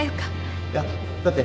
いやだって。